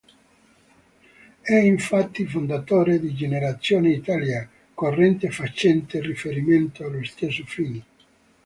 È infatti fondatore di Generazione Italia, corrente facente riferimento allo stesso Fini.